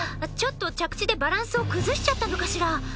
ちょっと着地でバランスを崩しちゃったのかしら？